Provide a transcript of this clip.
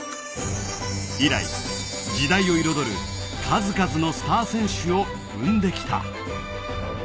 以来、時代を彩る数々のスター選手を生んできた。